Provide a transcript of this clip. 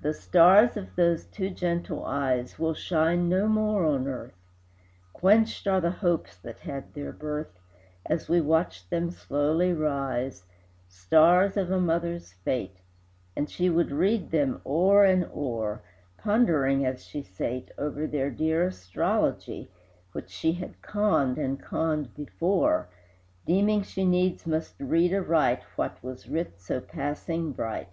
The stars of those two gentle eyes Will shine no more on earth; Quenched are the hopes that had their birth, As we watched them slowly rise, Stars of a mother's fate; And she would read them o'er and o'er, Pondering as she sate, Over their dear astrology, Which she had conned and conned before, Deeming she needs must read aright What was writ so passing bright.